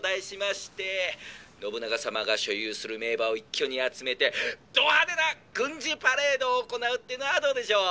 信長様が所有する名馬を一挙に集めてど派手な軍事パレードを行うっていうのはどうでしょう？」。